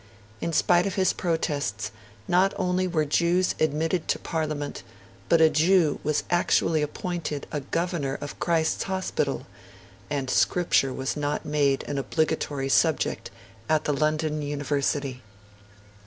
In spite of his protests, not only were Jews admitted to Parliament, but a Jew was actually appointed a governor of Christ's Hospital; and Scripture was not made an obligatory subject at the London University.